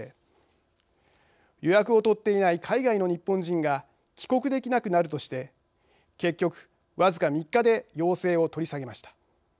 予約を取っていない海外の日本人が帰国できなくなるとして結局僅か３日で要請を取り下げました。